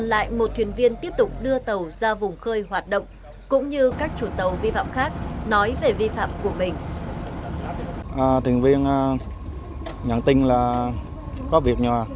lại một thuyền viên tiếp tục đưa tàu ra vùng khơi hoạt động cũng như các chủ tàu vi phạm khác nói về vi phạm của mình